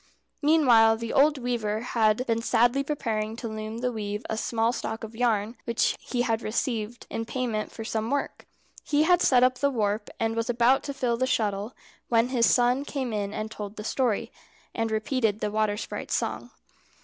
Meanwhile the old weaver had been sadly preparing the loom to weave a small stock of yarn, which he had received in payment for some work. He had set up the warp, and was about to fill the shuttle, when his son came in and told the story, and repeated the water sprite's song.